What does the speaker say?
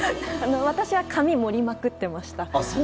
私は髪を盛りまくってました。